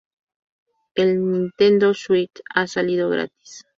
En Nintendo Switch ha salido gratis.